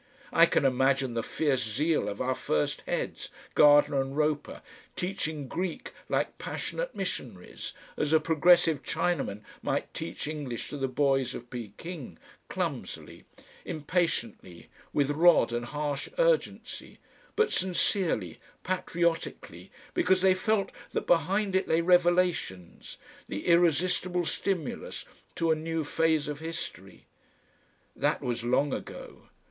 I can imagine the fierce zeal of our first Heads, Gardener and Roper, teaching Greek like passionate missionaries, as a progressive Chinaman might teach English to the boys of Pekin, clumsily, impatiently, with rod and harsh urgency, but sincerely, patriotically, because they felt that behind it lay revelations, the irresistible stimulus to a new phase of history. That was long ago.